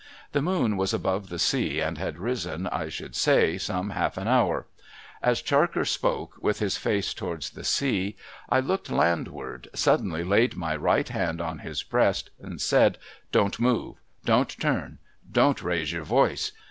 The moon was above the sea, and had risen, I should say, some half an hour. As Charker spoke, with his face towards the sea, I, looking landward, suddenly laid my right hand on his breast, and said, ' Don't move. Don't turn. Don't raise your voice